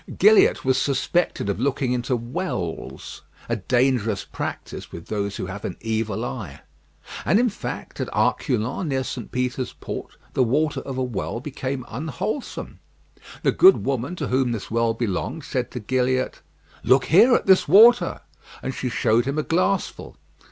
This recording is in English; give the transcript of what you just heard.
Gilliatt was suspected of looking into wells a dangerous practice with those who have an evil eye; and, in fact, at Arculons, near St. Peter's Port, the water of a well became unwholesome. The good woman to whom this well belonged said to Gilliatt: "Look here, at this water;" and she showed him a glassful.